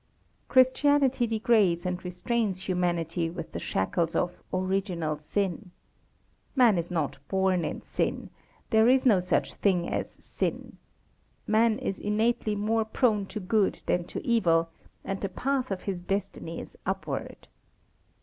Christianity degrades and restrains humanity with the shackles of "original sin." Man is not born in sin. There is no such thing as sin. Man is innately more prone to good than to evil; and the path of his destiny is upward.